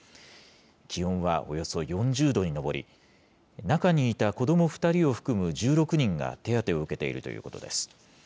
気温はおよそ４０度に上り、中にいた子ども２人を含む１６人が手当てを受けているということです。